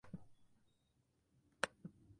Se cree que vivían en manadas.